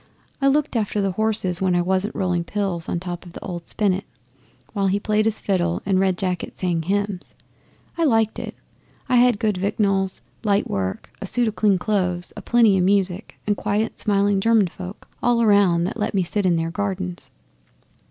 I looked after the horses when I wasn't rolling pills on top of the old spinet, while he played his fiddle and Red Jacket sang hymns. I liked it. I had good victuals, light work, a suit o' clean clothes, a plenty music, and quiet, smiling German folk all around that let me sit in their gardens.